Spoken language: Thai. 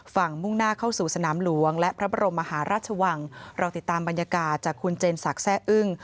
มุ่งหน้าเข้าสู่สนามหลวงและพระบรมมหาราชวังเราติดตามบรรยากาศจากคุณเจนศักดิ์แซ่อึ้ง